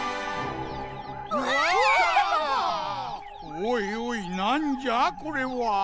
おいおいなんじゃこれは？